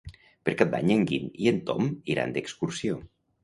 Per Cap d'Any en Guim i en Tom iran d'excursió.